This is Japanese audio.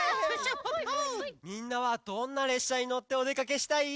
みんなはどんなれっしゃにのっておでかけしたい？